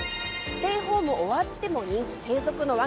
ステイホーム終わっても人気継続の訳。